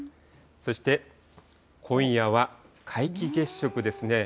そして今夜は皆既月食ですね。